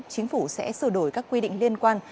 chính phủ sẽ sửa đổi các quy định liên quan